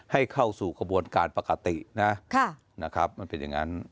ให้เข้าสู่กระบวนการปกตินะนะครับมันเป็นอย่างนั้น